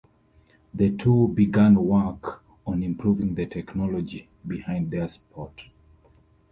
The two began work on improving the technology behind their sport.